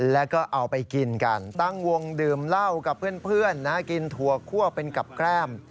แล้วก็เอาไปกินกันตั้งวงดื่มเหล้ากับเพื่อนกินถั่วคั่วเป็นกับแกล้ม